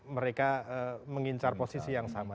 mereka mengincar posisi yang sama